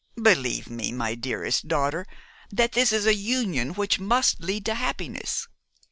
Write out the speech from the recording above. Believe me, my dearest daughter, that this is an union which must lead to happiness.